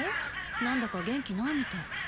なんだか元気ないみたい。